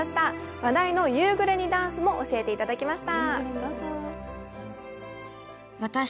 話題の夕暮れにダンスも教えていただきました。